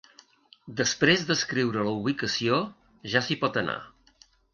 Després d'escriure la ubicació, ja s'hi pot anar.